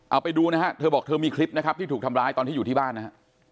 เอาไปดูนะฮะเธอบอกเธอมีคลิปนะครับที่ถูกทำร้ายตอนที่อยู่ที่บ้านนะฮะ